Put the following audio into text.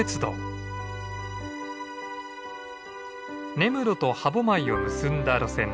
根室と歯舞を結んだ路線です。